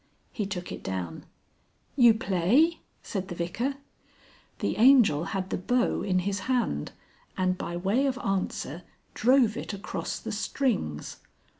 He took it down. "You play?" said the Vicar. The Angel had the bow in his hand, and by way of answer drove it across the strings.